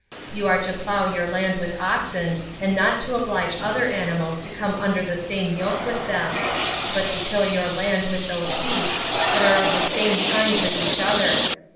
You are to plough your land with oxen, and not to oblige other animals to come under the same yoke with them; but to till your land with those beasts that are of the same kind with each other.